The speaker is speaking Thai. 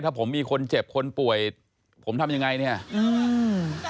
ถ้าผมมีคนเจ็บคนป่วยผมทำยังไงเนี้ยอืม